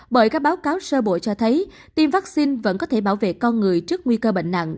bởi các báo cáo sơ bộ cho thấy tiêm vaccine vẫn có thể bảo vệ con người trước nguy cơ bệnh nặng